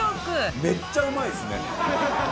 めっちゃうまいですね。